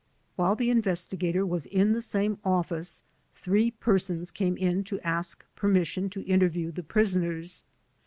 While the investigator was in the same office, three persons came in to ask permission to interview the prisoners.